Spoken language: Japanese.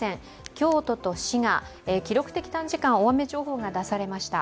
京都と滋賀、記録的短時間大雨情報が出されました。